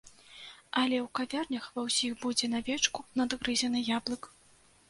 Але ў кавярнях ва ўсіх будзе на вечку надгрызены яблык.